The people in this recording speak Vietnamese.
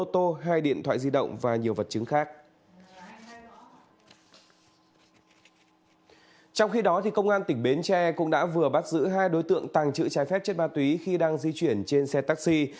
trong khi đó công an tỉnh bến tre cũng đã vừa bắt giữ hai đối tượng tàng trữ trái phép chất ma túy khi đang di chuyển trên xe taxi